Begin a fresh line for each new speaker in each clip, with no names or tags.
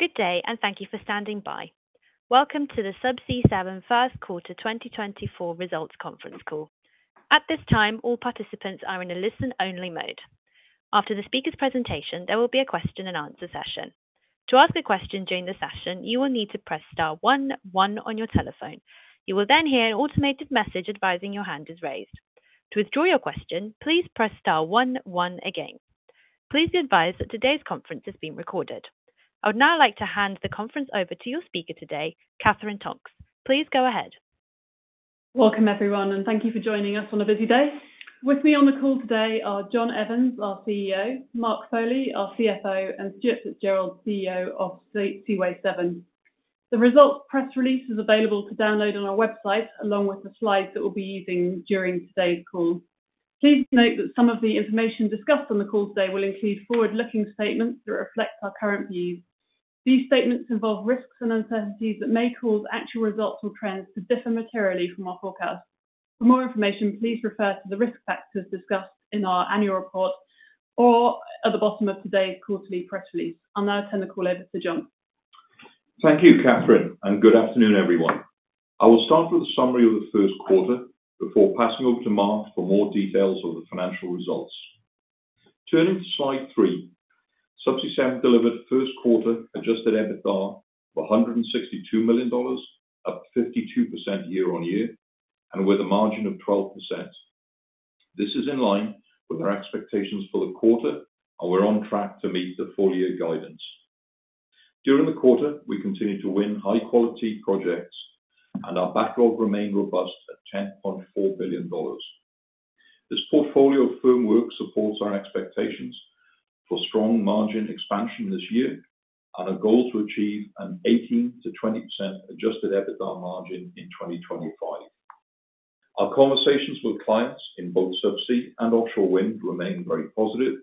Good day and thank you for standing by. Welcome to the Subsea 7 first quarter 2024 results conference call. At this time, all participants are in a listen-only mode. After the speaker's presentation, there will be a question-and-answer session. To ask a question during the session, you will need to press star one one on your telephone. You will then hear an automated message advising your hand is raised. To withdraw your question, please press star one one again. Please be advised that today's conference is being recorded. I would now like to hand the conference over to your speaker today, Katherine Tonks. Please go ahead.
Welcome, everyone, and thank you for joining us on a busy day. With me on the call today are John Evans, our CEO, Mark Foley, our CFO, and Stuart Fitzgerald, CEO of Seaway 7. The results press release is available to download on our website, along with the slides that we'll be using during today's call. Please note that some of the information discussed on the call today will include forward-looking statements that reflect our current views. These statements involve risks and uncertainties that may cause actual results or trends to differ materially from our forecasts. For more information, please refer to the risk factors discussed in our annual report or at the bottom of today's quarterly press release. I'll now turn the call over to John.
Thank you, Katherine, and good afternoon, everyone. I will start with a summary of the first quarter before passing over to Mark for more details of the financial results. Turning to slide 3, Subsea 7 delivered first quarter adjusted EBITDA of $162 million, up 52% year-on-year, and with a margin of 12%. This is in line with our expectations for the quarter, and we're on track to meet the full-year guidance. During the quarter, we continued to win high-quality projects, and our backlog remained robust at $10.4 billion. This portfolio of firm work supports our expectations for strong margin expansion this year and our goal to achieve an 18%-20% adjusted EBITDA margin in 2025. Our conversations with clients in both subsea and offshore wind remain very positive,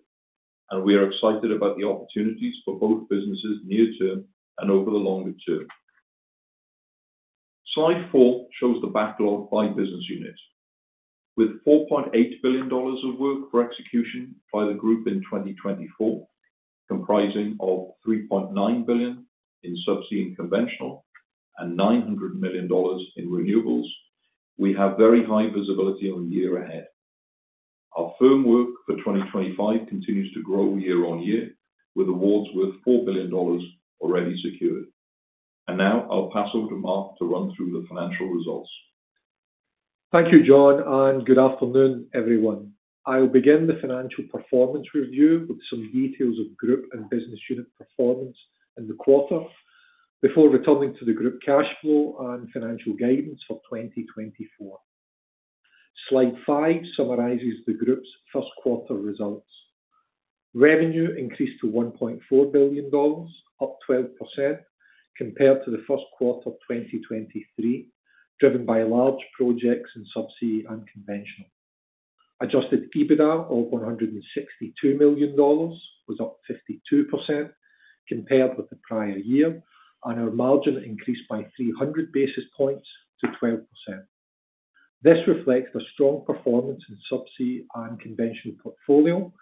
and we are excited about the opportunities for both businesses near-term and over the longer term. Slide 4 shows the backlog by business unit. With $4.8 billion of work for execution by the group in 2024, comprising of $3.9 billion in Subsea and Conventional, and $900 million in Renewables, we have very high visibility on the year ahead. Our firm work for 2025 continues to grow year-over-year, with awards worth $4 billion already secured. Now I'll pass over to Mark to run through the financial results.
Thank you, John, and good afternoon, everyone. I'll begin the financial performance review with some details of group and business unit performance in the quarter before returning to the group cash flow and financial guidance for 2024. Slide 5 summarizes the group's first quarter results. Revenue increased to $1.4 billion, up 12% compared to the first quarter of 2023, driven by large projects in Subsea and Conventional. Adjusted EBITDA of $162 million was up 52% compared with the prior year, and our margin increased by 300 basis points to 12%. This reflects the strong performance in Subsea and Conventional portfolio,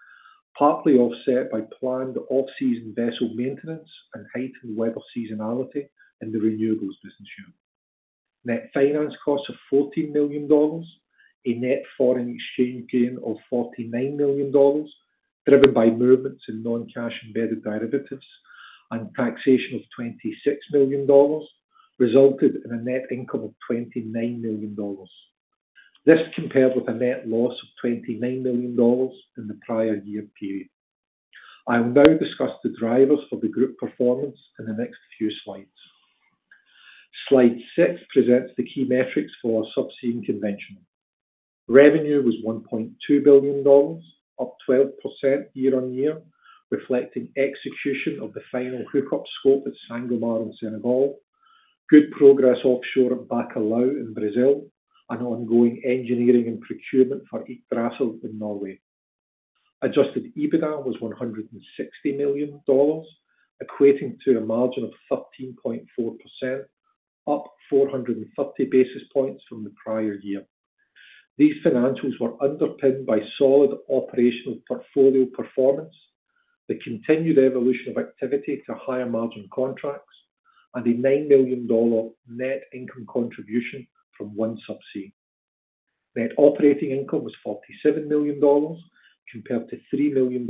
partly offset by planned off-season vessel maintenance and heightened weather seasonality in the Renewables business unit. Net finance costs of $14 million, a net foreign exchange gain of $49 million, driven by movements in non-cash embedded derivatives, and taxation of $26 million, resulted in a net income of $29 million. This compared with a net loss of $29 million in the prior year period. I will now discuss the drivers for the group performance in the next few slides. Slide 6 presents the key metrics for subsea and conventional. Revenue was $1.2 billion, up 12% year-on-year, reflecting execution of the final hookup scope at Sangomar in Senegal, good progress offshore at Bacalhau in Brazil, and ongoing engineering and procurement for Hejre in Norway. Adjusted EBITDA was $160 million, equating to a margin of 13.4%, up 430 basis points from the prior year. These financials were underpinned by solid operational portfolio performance, the continued evolution of activity to higher margin contracts, and a $9 million net income contribution from OneSubsea. Net operating income was $47 million compared to $3 million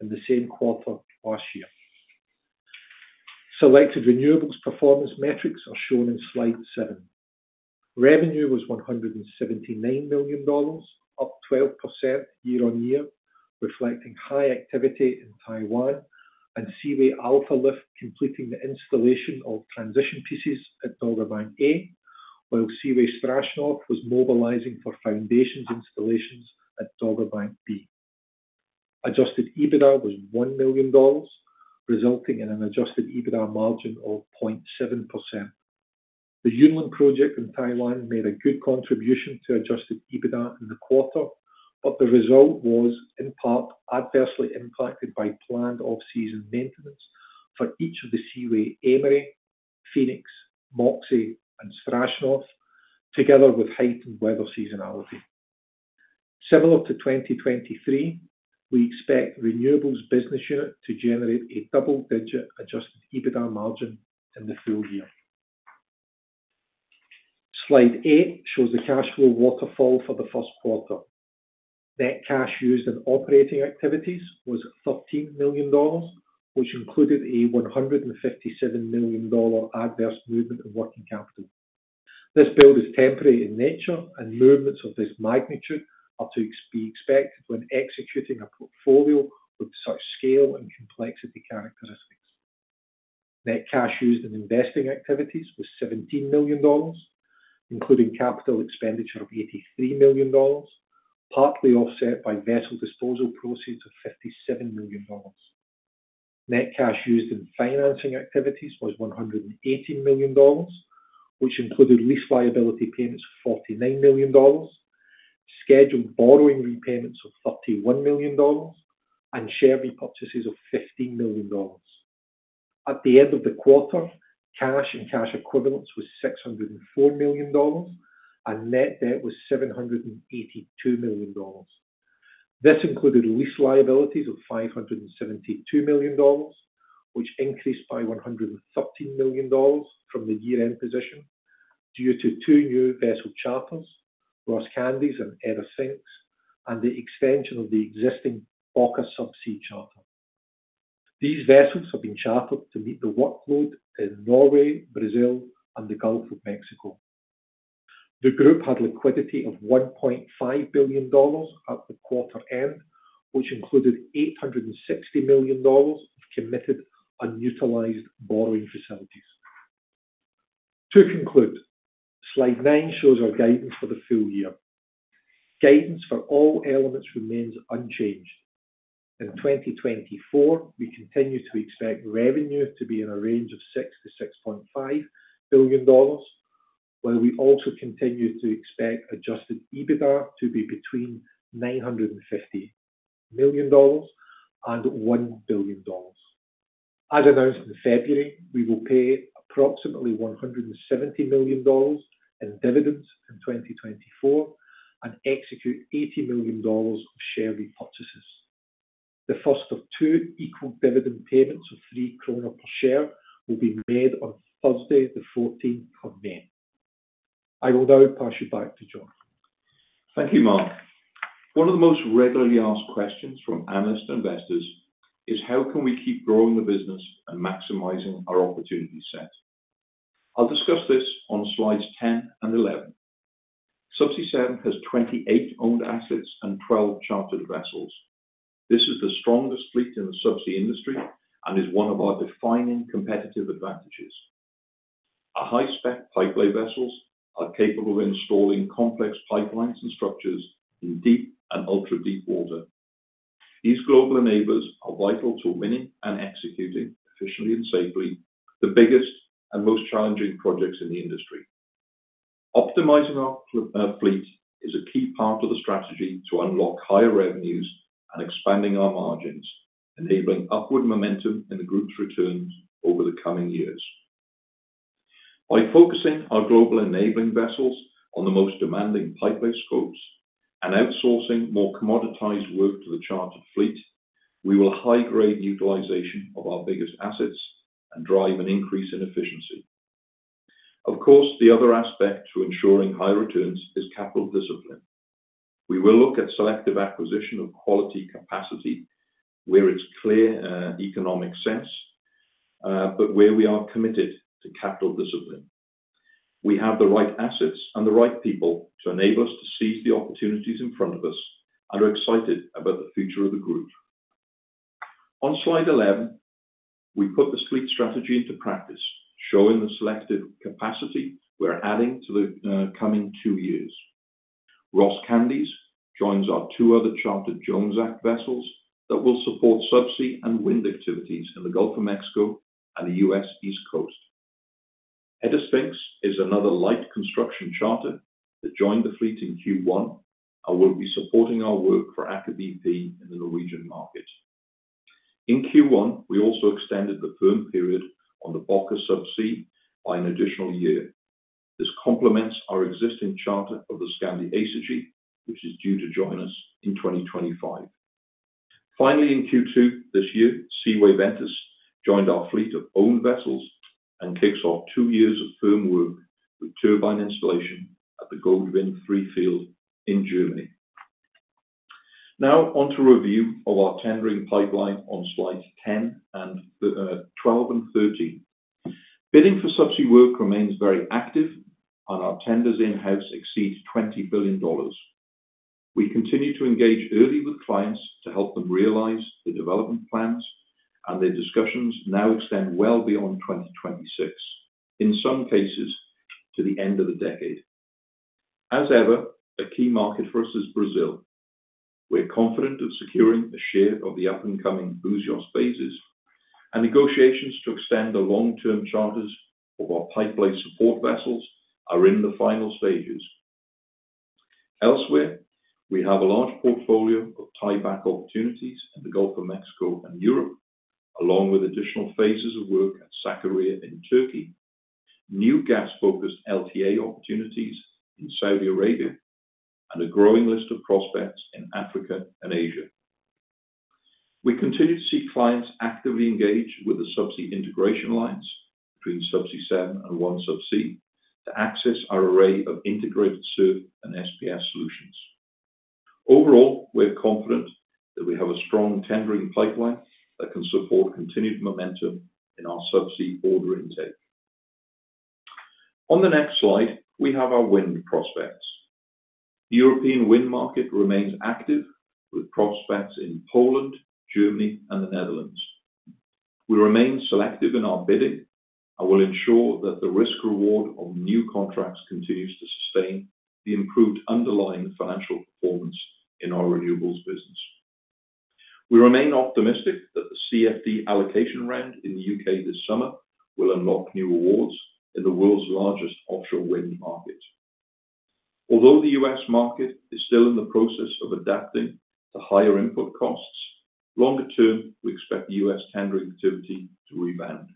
in the same quarter last year. Selected Renewables performance metrics are shown in slide 7. Revenue was $179 million, up 12% year-over-year, reflecting high activity in Taiwan and Seaway Alfa Lift completing the installation of transition pieces at Dogger Bank A, while Seaway Strashnov was mobilizing for foundations installations at Dogger Bank B. Adjusted EBITDA was $1 million, resulting in an adjusted EBITDA margin of 0.7%. The Yunlin project in Taiwan made a good contribution to adjusted EBITDA in the quarter, but the result was, in part, adversely impacted by planned off-season maintenance for each of the Seaway Aimery, Phoenix, Moxie, and Strashnov, together with heightened weather seasonality. Similar to 2023, we expect Renewables business unit to generate a double-digit adjusted EBITDA margin in the full year. Slide 8 shows the cash flow waterfall for the first quarter. Net cash used in operating activities was $13 million, which included a $157 million adverse movement in working capital. This build is temporary in nature, and movements of this magnitude are to be expected when executing a portfolio with such scale and complexity characteristics. Net cash used in investing activities was $17 million, including capital expenditure of $83 million, partly offset by vessel disposal proceeds of $57 million. Net cash used in financing activities was $118 million, which included lease liability payments of $49 million, scheduled borrowing repayments of $31 million, and share repurchases of $15 million. At the end of the quarter, cash and cash equivalents was $604 million, and net debt was $782 million. This included lease liabilities of $572 million, which increased by $113 million from the year-end position due to two new vessel charters, Ross Candies and Edda Sphinx, and the extension of the existing Boka Subsea charter. These vessels have been chartered to meet the workload in Norway, Brazil, and the Gulf of Mexico. The group had liquidity of $1.5 billion at the quarter end, which included $860 million of committed unutilized borrowing facilities. To conclude, slide 9 shows our guidance for the full year. Guidance for all elements remains unchanged. In 2024, we continue to expect revenue to be in a range of $6-$6.5 billion, while we also continue to expect Adjusted EBITDA to be between $950 million and $1 billion. As announced in February, we will pay approximately $170 million in dividends in 2024 and execute $80 million of share repurchases. The first of two equal dividend payments of 3 kroner per share will be made on Thursday, the 14th of May. I will now pass you back to John.
Thank you, Mark. One of the most regularly asked questions from analysts and investors is how can we keep growing the business and maximizing our opportunity set. I'll discuss this on slides 10 and 11. Subsea 7 has 28 owned assets and 12 chartered vessels. This is the strongest fleet in the subsea industry and is one of our defining competitive advantages. Our high-spec pipelay vessels are capable of installing complex pipelines and structures in deep and ultra-deep water. These global enablers are vital to winning and executing efficiently and safely the biggest and most challenging projects in the industry. Optimizing our fleet is a key part of the strategy to unlock higher revenues and expanding our margins, enabling upward momentum in the group's returns over the coming years. By focusing our global enabling vessels on the most demanding pipelay scopes and outsourcing more commoditized work to the chartered fleet, we will high-grade utilization of our biggest assets and drive an increase in efficiency. Of course, the other aspect to ensuring high returns is capital discipline. We will look at selective acquisition of quality capacity where it's clear economic sense, but where we are committed to capital discipline. We have the right assets and the right people to enable us to seize the opportunities in front of us and are excited about the future of the group. On slide 11, we put the fleet strategy into practice, showing the selective capacity we're adding to the coming two years. Ross Candies joins our two other chartered Jones Act vessels that will support subsea and wind activities in the Gulf of Mexico and the U.S. East Coast. Edda Sphinx is another light construction charter that joined the fleet in Q1 and will be supporting our work for Aker BP in the Norwegian market. In Q1, we also extended the firm period on the Boka Subsea by an additional year. This complements our existing charter of the Skandi Acergy, which is due to join us in 2025. Finally, in Q2 this year, Seaway Ventus joined our fleet of owned vessels and kicks off two years of firm work with turbine installation at the Gode Wind III field in Germany. Now, on to review of our tendering pipeline on slides 12 and 13. Bidding for subsea work remains very active, and our tenders in-house exceed $20 billion. We continue to engage early with clients to help them realize the development plans, and their discussions now extend well beyond 2026, in some cases to the end of the decade. As ever, a key market for us is Brazil. We're confident of securing a share of the up-and-coming Búzios phases, and negotiations to extend the long-term charters of our pipelay support vessels are in the final stages. Elsewhere, we have a large portfolio of tie-back opportunities in the Gulf of Mexico and Europe, along with additional phases of work at Sakarya in Turkey, new gas-focused LTA opportunities in Saudi Arabia, and a growing list of prospects in Africa and Asia. We continue to see clients actively engage with the subsea integration lines between Subsea 7 and OneSubsea to access our array of integrated SURF and SPS solutions. Overall, we're confident that we have a strong tendering pipeline that can support continued momentum in our subsea order intake. On the next slide, we have our wind prospects. The European wind market remains active with prospects in Poland, Germany, and the Netherlands. We remain selective in our bidding and will ensure that the risk-reward of new contracts continues to sustain the improved underlying financial performance in our Renewables business. We remain optimistic that the CFD allocation round in the U.K. this summer will unlock new rewards in the world's largest offshore wind market. Although the U.S. market is still in the process of adapting to higher input costs, longer-term, we expect the U.S. tendering activity to rebound.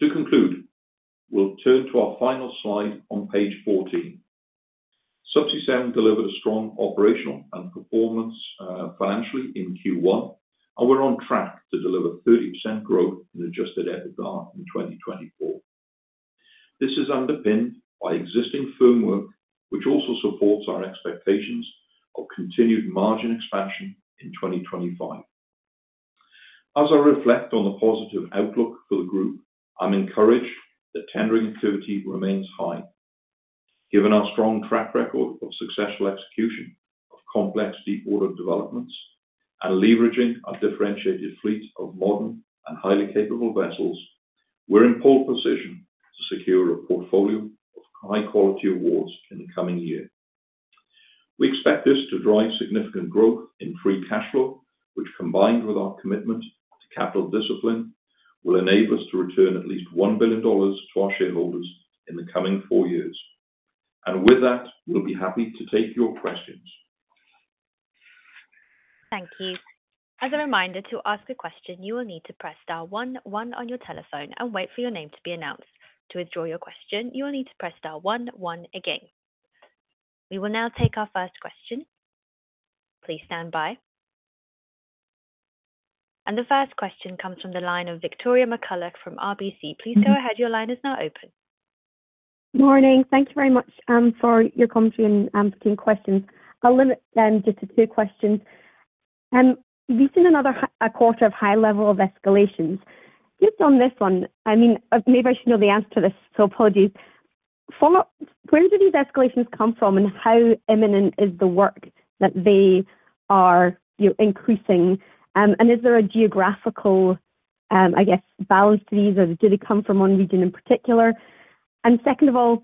To conclude, we'll turn to our final slide on page 14. Subsea 7 delivered a strong operational and performance financially in Q1, and we're on track to deliver 30% growth in adjusted EBITDA in 2024. This is underpinned by existing firm work, which also supports our expectations of continued margin expansion in 2025. As I reflect on the positive outlook for the group, I'm encouraged that tendering activity remains high. Given our strong track record of successful execution of complex deep-water developments and leveraging our differentiated fleet of modern and highly capable vessels, we're in pole position to secure a portfolio of high-quality awards in the coming year. We expect this to drive significant growth in free cash flow, which, combined with our commitment to capital discipline, will enable us to return at least $1 billion to our shareholders in the coming four years. With that, we'll be happy to take your questions.
Thank you. As a reminder, to ask a question, you will need to press star one one on your telephone and wait for your name to be announced. To withdraw your question, you will need to press star one one again. We will now take our first question. Please stand by. The first question comes from the line of Victoria McCulloch from RBC. Please go ahead. Your line is now open.
Morning. Thank you very much for your commentary and for taking questions. I'll limit them just to two questions. We've seen another quarter of high-level escalations. Just on this one, I mean, maybe I should know the answer to this, so apologies. Where do these escalations come from, and how imminent is the work that they are increasing? And is there a geographical, I guess, balance to these, or did it come from one region in particular? And second of all,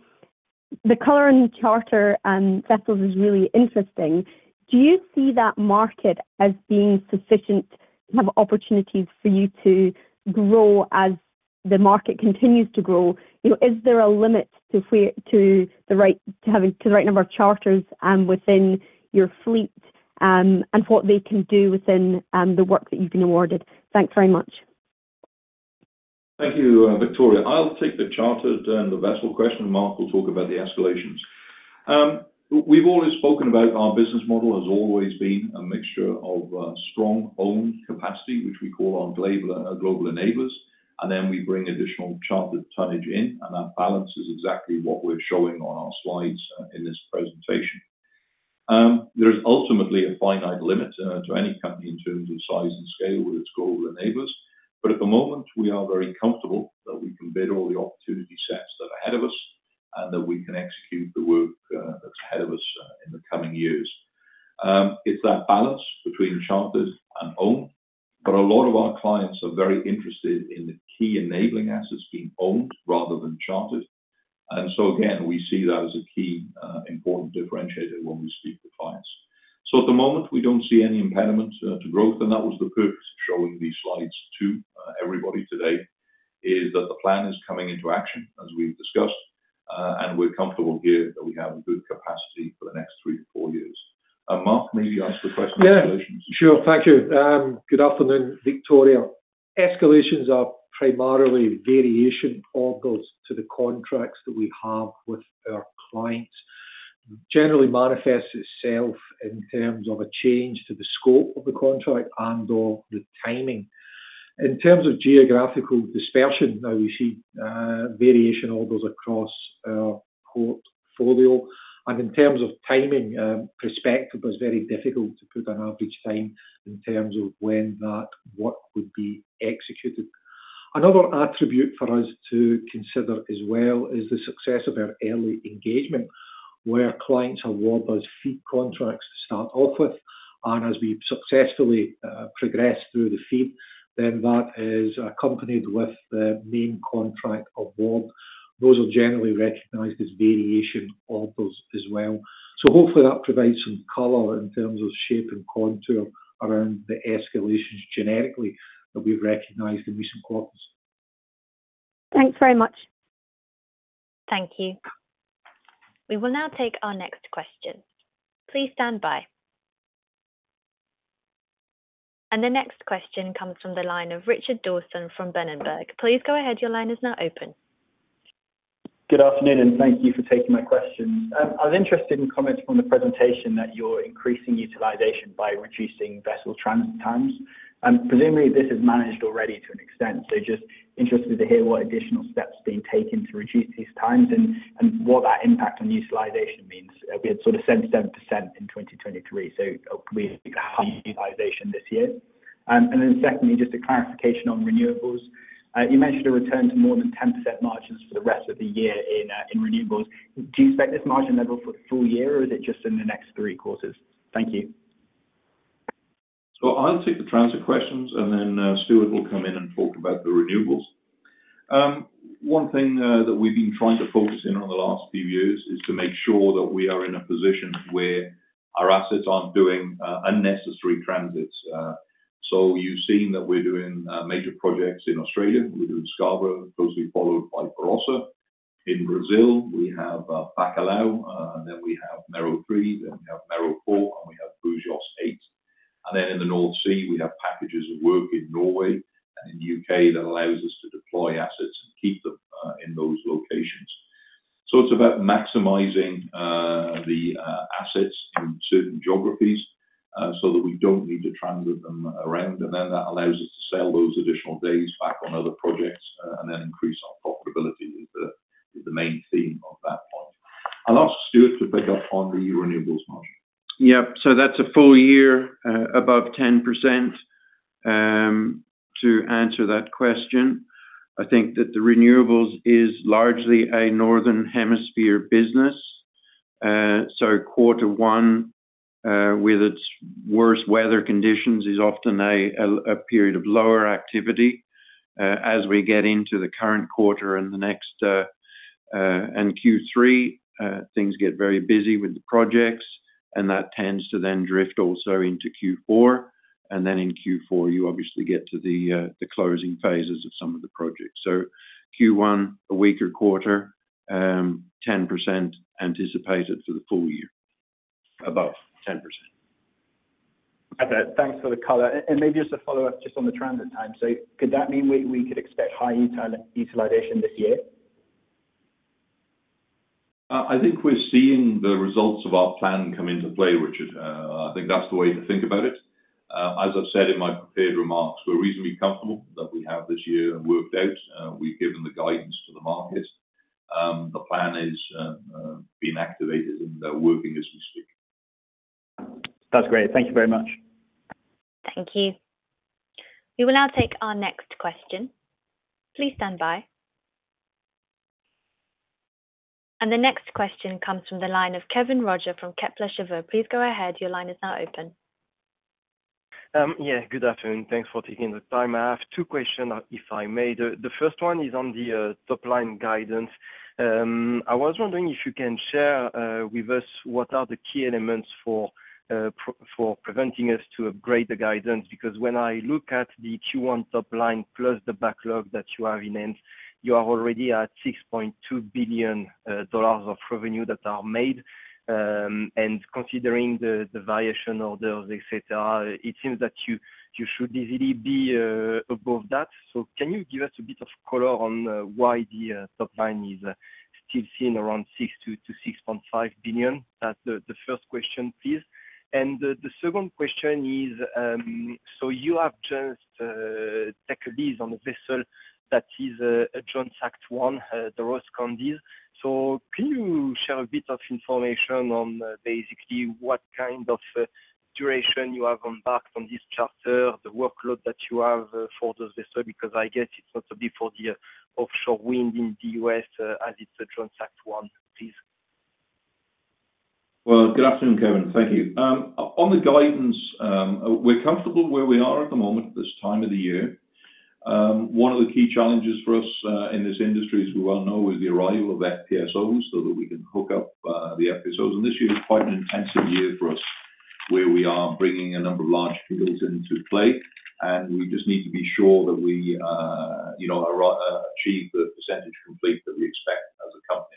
the color on charter vessels is really interesting. Do you see that market as being sufficient to have opportunities for you to grow as the market continues to grow? Is there a limit to the right number of charters within your fleet and what they can do within the work that you've been awarded? Thanks very much.
Thank you, Victoria. I'll take the chartered and the vessel question, and Mark will talk about the escalations. We've always spoken about our business model has always been a mixture of strong owned capacity, which we call our Global enablers, and then we bring additional chartered tonnage in, and that balance is exactly what we're showing on our slides in this presentation. There's ultimately a finite limit to any company in terms of size and scale with its Global enablers. But at the moment, we are very comfortable that we can bid all the opportunity sets that are ahead of us and that we can execute the work that's ahead of us in the coming years. It's that balance between chartered and owned, but a lot of our clients are very interested in the key enabling assets being owned rather than chartered. And so, again, we see that as a key important differentiator when we speak to clients. So at the moment, we don't see any impediment to growth, and that was the purpose of showing these slides to everybody today, is that the plan is coming into action, as we've discussed, and we're comfortable here that we have a good capacity for the next 3-4 years. And Mark, maybe ask the question on escalations.
Yeah. Sure. Thank you. Good afternoon, Victoria. Escalations are primarily variation orders to the contracts that we have with our clients. Generally, it manifests itself in terms of a change to the scope of the contract and/or the timing. In terms of geographical dispersion, now we see variation orders across our portfolio. And in terms of timing, perspective is very difficult to put an average time in terms of when that work would be executed. Another attribute for us to consider as well is the success of our early engagement, where clients award those FEED contracts to start off with, and as we successfully progress through the FEED, then that is accompanied with the main contract award. Those are generally recognized as variation orders as well. Hopefully, that provides some color in terms of shape and contour around the escalations generically that we've recognized in recent quarters.
Thanks very much.
Thank you. We will now take our next question. Please stand by. The next question comes from the line of Richard Dawson from Berenberg. Please go ahead. Your line is now open.
Good afternoon, and thank you for taking my questions. I was interested in comments from the presentation that you're increasing utilisation by reducing vessel transit times. Presumably, this is managed already to an extent. So just interested to hear what additional steps are being taken to reduce these times and what that impact on utilisation means. We had sort of said 7% in 2023, so we've had utilisation this year. And then secondly, just a clarification on Renewables. You mentioned a return to more than 10% margins for the rest of the year in Renewables. Do you expect this margin level for the full year, or is it just in the next three quarters? Thank you.
So I'll take the transit questions, and then Stuart will come in and talk about the Renewables. One thing that we've been trying to focus in on the last few years is to make sure that we are in a position where our assets aren't doing unnecessary transits. So you've seen that we're doing major projects in Australia. We're doing Scarborough, closely followed by Barossa. In Brazil, we have Bacalhau, and then we have Mero 3, then we have Mero 4, and we have Búzios 8. And then in the North Sea, we have packages of work in Norway and in the U.K. that allows us to deploy assets and keep them in those locations. It's about maximizing the assets in certain geographies so that we don't need to transit them around, and then that allows us to sell those additional days back on other projects and then increase our profitability is the main theme of that point. I'll ask Stuart to pick up on the Renewables margin.
Yep. That's a full year above 10%. To answer that question, I think that the Renewables is largely a northern hemisphere business. Quarter one, with its worst weather conditions, is often a period of lower activity. As we get into the current quarter and Q3, things get very busy with the projects, and that tends to then drift also into Q4. Then in Q4, you obviously get to the closing phases of some of the projects. Q1, a weaker quarter, 10% anticipated for the full year, above 10%.
Perfect. Thanks for the color. Maybe just a follow-up just on the transit time. Could that mean we could expect high utilization this year?
I think we're seeing the results of our plan come into play, Richard. I think that's the way to think about it. As I've said in my prepared remarks, we're reasonably comfortable that we have this year worked out. We've given the guidance to the market. The plan has been activated, and they're working as we speak.
That's great. Thank you very much.
Thank you. We will now take our next question. Please stand by. The next question comes from the line of Kevin Roger from Kepler Cheuvreux. Please go ahead. Your line is now open.
Yeah. Good afternoon. Thanks for taking the time. I have two questions, if I may. The first one is on the top-line guidance. I was wondering if you can share with us what are the key elements for preventing us to upgrade the guidance? Because when I look at the Q1 top-line plus the backlog that you have in end, you are already at $6.2 billion of revenue that are made. And considering the variation orders, etc., it seems that you should easily be above that. So can you give us a bit of color on why the top-line is still seen around $6-$6.5 billion? That's the first question, please. And the second question is, so you have just taken lease on a vessel that is a Jones Act, the Ross Candies. So can you share a bit of information on basically what kind of duration you have embarked on this charter, the workload that you have for those vessels? Because I guess it's not only for the offshore wind in the U.S. as it's a Jones Act vessel. Please.
Well, good afternoon, Kevin. Thank you. On the guidance, we're comfortable where we are at the moment at this time of the year. One of the key challenges for us in this industry, as we well know, is the arrival of FPSOs so that we can hook up the FPSOs. And this year is quite an intensive year for us where we are bringing a number of large fields into play, and we just need to be sure that we achieve the percentage complete that we expect as a company.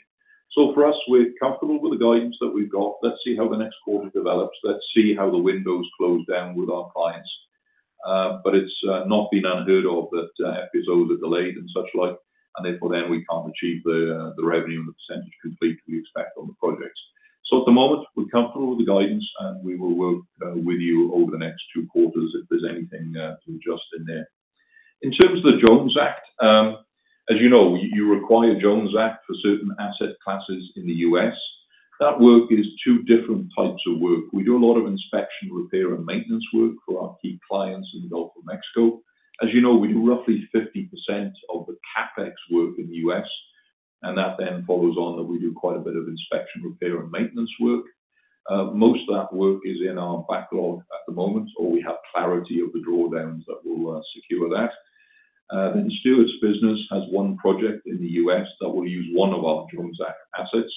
So for us, we're comfortable with the guidance that we've got. Let's see how the next quarter develops. Let's see how the windows close down with our clients. But it's not been unheard of that FPSOs are delayed and such like, and therefore, then we can't achieve the revenue and the percentage complete we expect on the projects. So at the moment, we're comfortable with the guidance, and we will work with you over the next two quarters if there's anything to adjust in there. In terms of the Jones Act, as you know, you require Jones Act for certain asset classes in the U.S. That work is two different types of work. We do a lot of inspection, repair, and maintenance work for our key clients in Gulf of Mexico. As you know, we do roughly 50% of the CapEx work in the U.S., and that then follows on that we do quite a bit of inspection, repair, and maintenance work. Most of that work is in our backlog at the moment, or we have clarity of the drawdowns that will secure that. Then Stuart's business has one project in the US that will use one of our Jones Act assets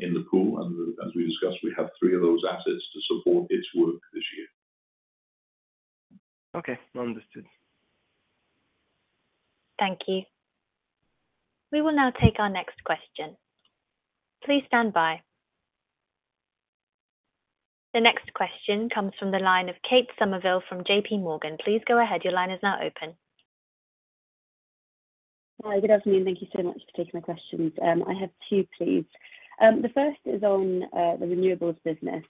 in the pool. As we discussed, we have three of those assets to support its work this year.
Okay. Understood.
Thank you. We will now take our next question. Please stand by. The next question comes from the line of Kate Somerville from JPMorgan. Please go ahead. Your line is now open.
Hi. Good afternoon. Thank you so much for taking my questions. I have two, please. The first is on the Renewables business.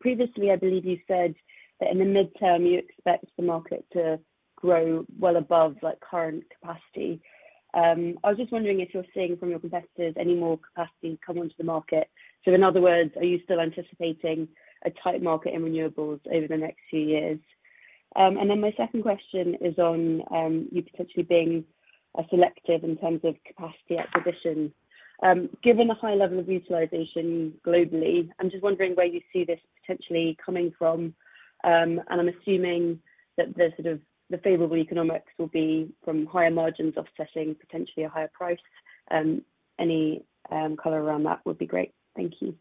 Previously, I believe you said that in the midterm, you expect the market to grow well above current capacity. I was just wondering if you're seeing from your competitors any more capacity come onto the market. So in other words, are you still anticipating a tight market in Renewables over the next few years? And then my second question is on you potentially being selective in terms of capacity acquisition. Given the high level of utilization globally, I'm just wondering where you see this potentially coming from. And I'm assuming that the favorable economics will be from higher margins offsetting potentially a higher price. Any color around that would be great. Thank you.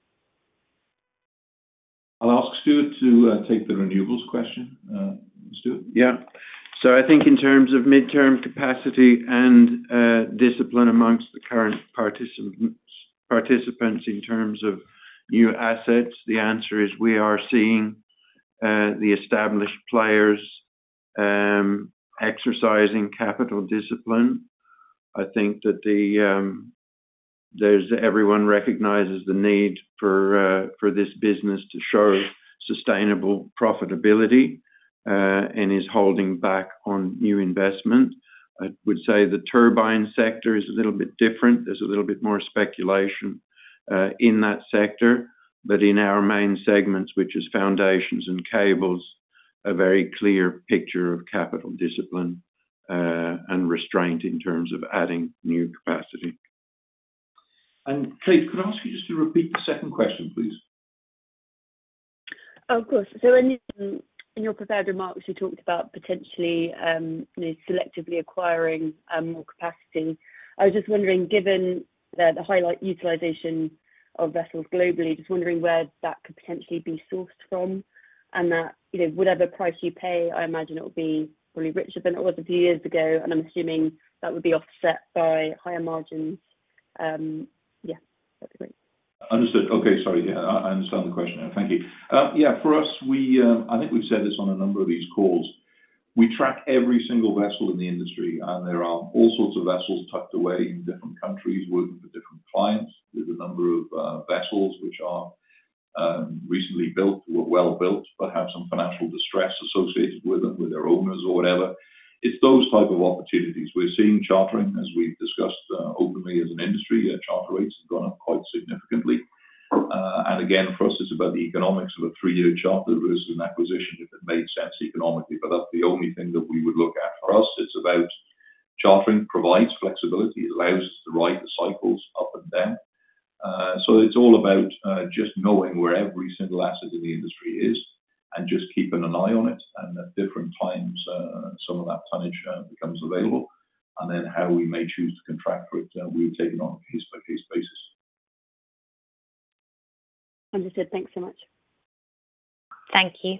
I'll ask Stuart to take the Renewables question. Stuart?
Yeah. So I think in terms of midterm capacity and discipline amongst the current participants in terms of new assets, the answer is we are seeing the established players exercising capital discipline. I think that everyone recognizes the need for this business to show sustainable profitability and is holding back on new investment. I would say the turbine sector is a little bit different. There's a little bit more speculation in that sector. But in our main segments, which is foundations and cables, a very clear picture of capital discipline and restraint in terms of adding new capacity.
Kate, could I ask you just to repeat the second question, please?
Of course. So in your prepared remarks, you talked about potentially selectively acquiring more capacity. I was just wondering, given the high utilization of vessels globally, just wondering where that could potentially be sourced from. And whatever price you pay, I imagine it'll be probably richer than it was a few years ago, and I'm assuming that would be offset by higher margins. Yeah. That'd be great.
Understood. Okay. Sorry. Yeah. I understand the question now. Thank you. Yeah. For us, I think we've said this on a number of these calls. We track every single vessel in the industry, and there are all sorts of vessels tucked away in different countries working for different clients. There's a number of vessels which are recently built or well-built but have some financial distress associated with them, with their owners or whatever. It's those type of opportunities. We're seeing chartering, as we've discussed openly as an industry. Charter rates have gone up quite significantly. And again, for us, it's about the economics of a three-year charter versus an acquisition if it made sense economically. But that's the only thing that we would look at. For us, it's about chartering provides flexibility. It allows us to ride the cycles up and down. It's all about just knowing where every single asset in the industry is and just keeping an eye on it and at different times some of that tonnage becomes available. Then how we may choose to contract for it, we'll take it on a case-by-case basis.
Understood. Thanks so much.
Thank you.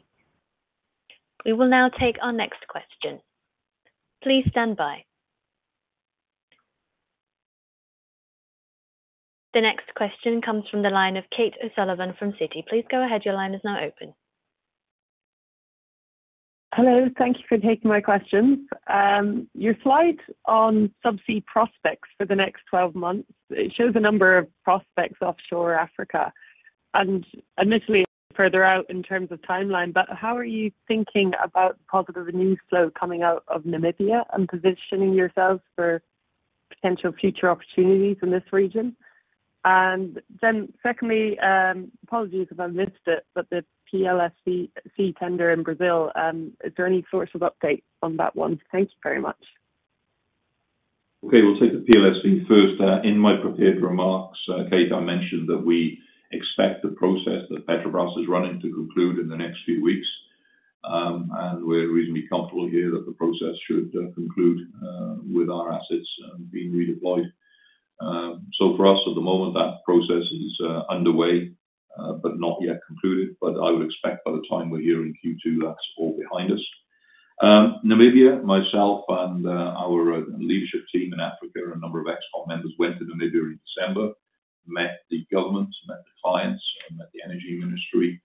We will now take our next question. Please stand by. The next question comes from the line of Kate O'Sullivan from Citi. Please go ahead. Your line is now open.
Hello. Thank you for taking my questions. Your slide on subsea prospects for the next 12 months, it shows a number of prospects offshore Africa and admittedly further out in terms of timeline. But how are you thinking about the positive news flow coming out of Namibia and positioning yourselves for potential future opportunities in this region? And then secondly, apologies if I missed it, but the PLSV tender in Brazil, is there any sort of update on that one? Thank you very much.
Okay. We'll take the PLSV first. In my prepared remarks, Kate, I mentioned that we expect the process that Petrobras is running to conclude in the next few weeks. We're reasonably comfortable here that the process should conclude with our assets being redeployed. For us, at the moment, that process is underway but not yet concluded. I would expect by the time we're here in Q2, that's all behind us. Namibia, myself, and our leadership team in Africa and a number of ex-commanders went to Namibia in December, met the government, met the clients, met the energy ministry.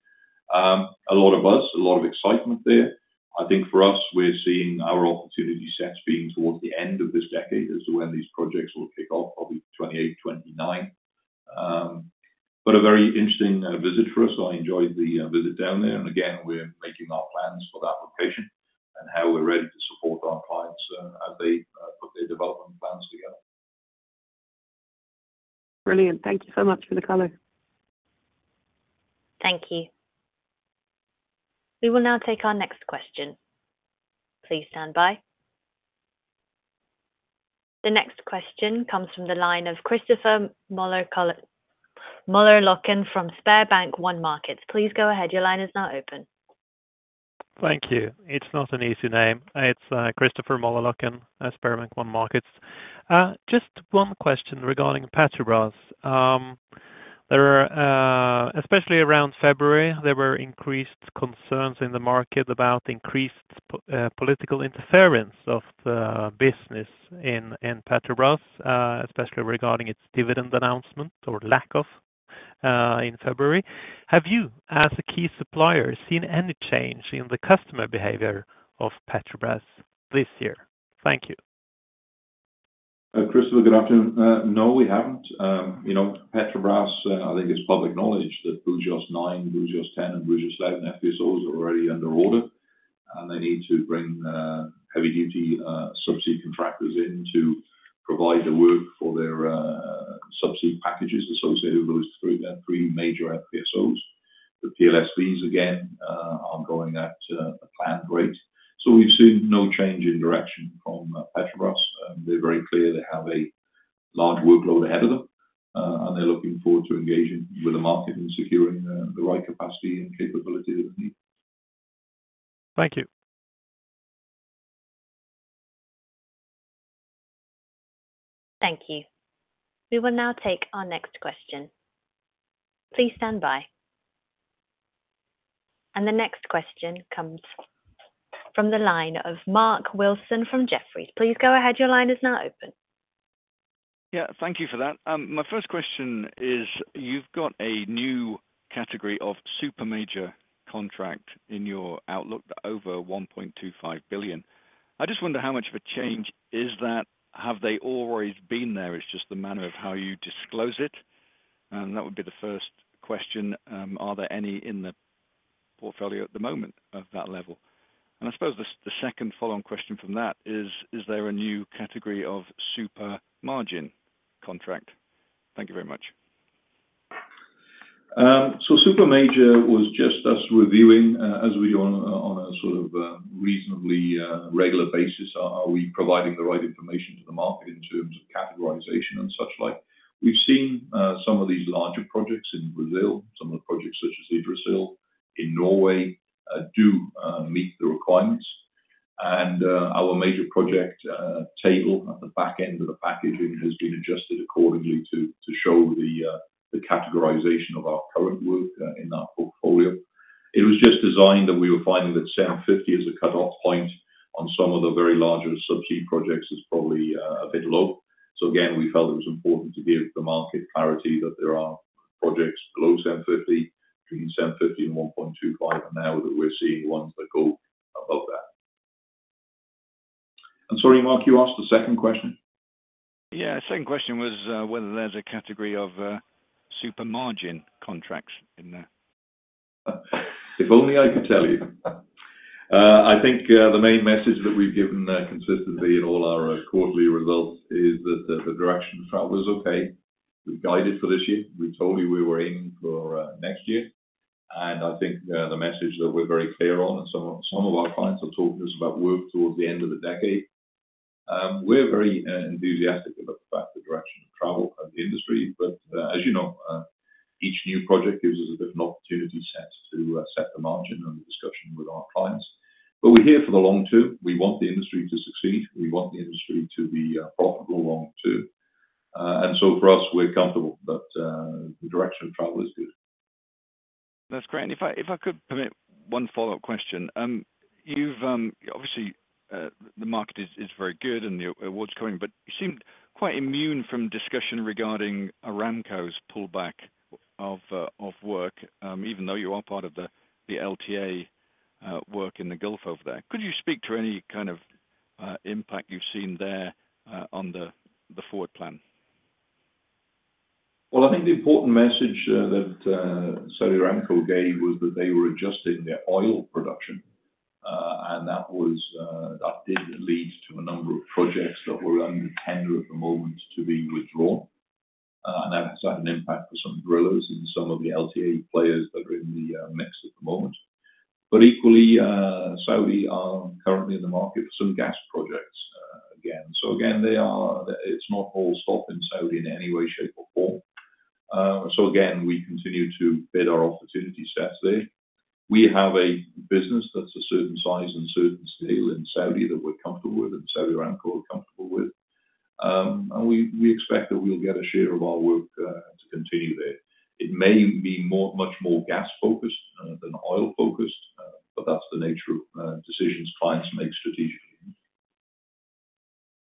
A lot of us, a lot of excitement there. I think for us, we're seeing our opportunity sets being towards the end of this decade as to when these projects will kick off, probably 2028, 2029. A very interesting visit for us. I enjoyed the visit down there. Again, we're making our plans for that location and how we're ready to support our clients as they put their development plans together.
Brilliant. Thank you so much for the color.
Thank you. We will now take our next question. Please stand by. The next question comes from the line of Christopher Møllerløkken from SpareBank 1 Markets. Please go ahead. Your line is now open.
Thank you. It's not an easy name. It's Christopher Møllerløkken, SpareBank 1 Markets. Just one question regarding Petrobras. Especially around February, there were increased concerns in the market about increased political interference of the business in Petrobras, especially regarding its dividend announcement or lack of in February. Have you, as a key supplier, seen any change in the customer behavior of Petrobras this year? Thank you.
Christopher, good afternoon. No, we haven't. Petrobras, I think it's public knowledge that Búzios 9, Búzios 10, and Búzios 11 FPSOs are already under order, and they need to bring heavy-duty subsea contractors in to provide the work for their subsea packages associated with those three major FPSOs. The PLSVs, again, are going at a planned rate. So we've seen no change in direction from Petrobras. They're very clear. They have a large workload ahead of them, and they're looking forward to engaging with the market and securing the right capacity and capability that they need.
Thank you.
Thank you. We will now take our next question. Please stand by. The next question comes from the line of Mark Wilson from Jefferies. Please go ahead. Your line is now open.
Yeah. Thank you for that. My first question is, you've got a new category of super major contract in your outlook over $1.25 billion. I just wonder how much of a change is that? Have they always been there? It's just the manner of how you disclose it. That would be the first question. Are there any in the portfolio at the moment of that level? I suppose the second follow-on question from that is, is there a new category of super margin contract? Thank you very much.
So super major was just us reviewing as we do on a sort of reasonably regular basis, are we providing the right information to the market in terms of categorization and such like. We've seen some of these larger projects in Brazil, some of the projects such as Yggdrasil in Norway do meet the requirements. And our major project table at the back end of the packaging has been adjusted accordingly to show the categorization of our current work in that portfolio. It was just designed that we were finding that $750 million as a cutoff point on some of the very larger subsea projects is probably a bit low. So again, we felt it was important to give the market clarity that there are projects below $750 million, between $750 million and $1.25 billion, and now that we're seeing ones that go above that. I'm sorry, Mark. You asked the second question?
Yeah. Second question was whether there's a category of super margin contracts in there.
If only I could tell you. I think the main message that we've given consistently in all our quarterly results is that the direction, in fact, was okay. We guided for this year. We told you we were aiming for next year. And I think the message that we're very clear on, and some of our clients are talking to us about work towards the end of the decade, we're very enthusiastic about the direction of travel of the industry. But as you know, each new project gives us a different opportunity set to set the margin and the discussion with our clients. But we're here for the long term. We want the industry to succeed. We want the industry to be profitable long term. And so for us, we're comfortable that the direction of travel is good.
That's great. And if I could permit one follow-up question, obviously, the market is very good and the award's coming, but you seemed quite immune from discussion regarding Aramco's pullback of work, even though you are part of the LTA work in the Gulf over there. Could you speak to any kind of impact you've seen there on the forward plan?
Well, I think the important message that Saudi Aramco gave was that they were adjusting their oil production. That did lead to a number of projects that were under tender at the moment to be withdrawn. That has had an impact for some drillers and some of the LTA players that are in the mix at the moment. But equally, Saudi are currently in the market for some gas projects again. Again, it's not all stop in Saudi in any way, shape, or form. Again, we continue to bid our opportunity sets there. We have a business that's a certain size and certain scale in Saudi that we're comfortable with and Saudi Aramco are comfortable with. And we expect that we'll get a share of our work to continue there. It may be much more gas-focused than oil-focused, but that's the nature of decisions clients make strategically.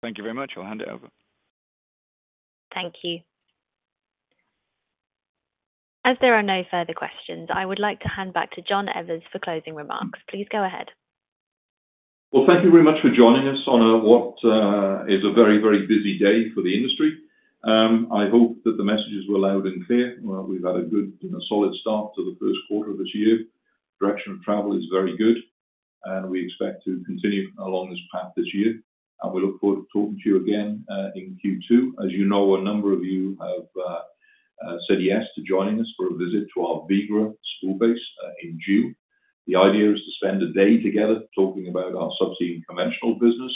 Thank you very much. I'll hand it over.
Thank you. As there are no further questions, I would like to hand back to John Evans for closing remarks. Please go ahead.
Well, thank you very much for joining us on what is a very, very busy day for the industry. I hope that the messages were loud and clear. We've had a good and a solid start to the first quarter of this year. Direction of travel is very good, and we expect to continue along this path this year. And we look forward to talking to you again in Q2. As you know, a number of you have said yes to joining us for a visit to our Vigra spool base in June. The idea is to spend a day together talking about our subsea and conventional business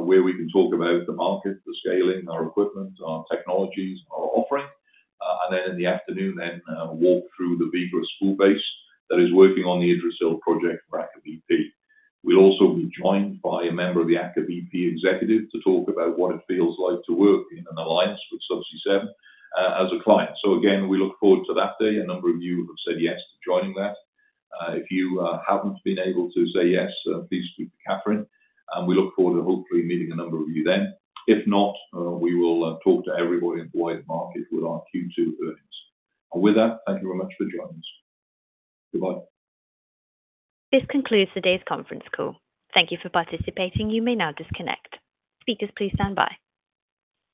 where we can talk about the market, the scaling, our equipment, our technologies, our offering. And then in the afternoon, walk through the Vigra spool base that is working on the Yggdrasil project for Aker BP. We'll also be joined by a member of the Aker BP executive to talk about what it feels like to work in an alliance with Subsea 7 as a client. So again, we look forward to that day. A number of you have said yes to joining that. If you haven't been able to say yes, please speak to Katherine. We look forward to hopefully meeting a number of you then. If not, we will talk to everybody employed at market with our Q2 earnings. With that, thank you very much for joining us. Goodbye.
This concludes today's conference call. Thank you for participating. You may now disconnect. Speakers, please stand by.